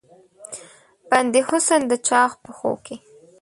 بندي حسن د چا پښو کې